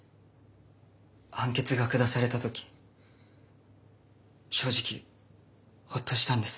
判決が下された時正直ホッとしたんです。